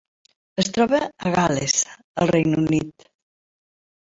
Es troba a Gal·les, al Regne Unit.